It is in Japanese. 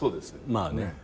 まあね。